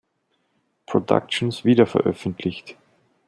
Productions wiederveröffentlicht.